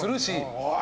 おい！